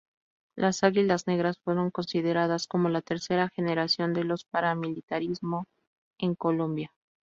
Las Águilas Negras fueron consideradas como la tercera generación de los Paramilitarismo en Colombia.